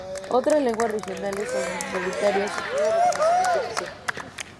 Otras lenguas regionales o minoritarias sí tienen reconocimiento oficial.